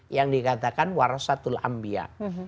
yang dikatakan warasatul ambia